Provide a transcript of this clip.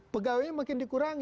pegawainya makin dikurangkan